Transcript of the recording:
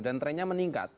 dan trennya meningkat